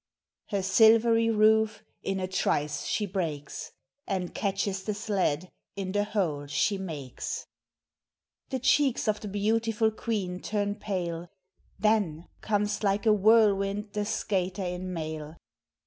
Her silvery roof in a trice she breaks, And catches the sled in the hole she makes. The cheeks of the beautiful queen turn pale; Then comes like a whirlwind the skater in mail.